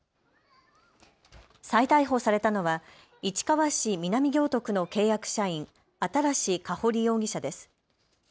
再逮捕されたのは市川市南行徳の契約社員、新かほり容疑者です。